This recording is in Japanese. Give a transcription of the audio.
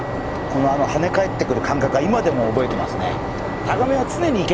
このはね返ってくる感覚は今でも覚えてますね。